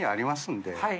はい。